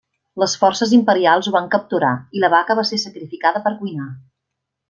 Les forces imperials ho van capturar i la vaca va ser sacrificada per cuinar.